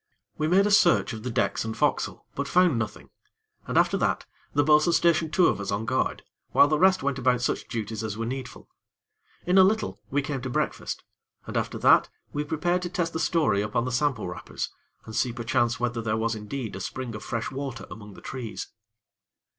We made a search of the decks and fo'cas'le, but found nothing, and, after that, the bo'sun stationed two of us on guard, whilst the rest went about such duties as were needful. In a little, we came to breakfast, and, after that, we prepared to test the story upon the sample wrappers and see perchance whether there was indeed a spring of fresh water among the trees.